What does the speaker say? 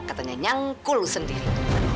katanya nyangkul sendiri